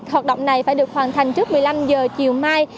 hoạt động này phải được hoàn thành trước một mươi năm h chiều mai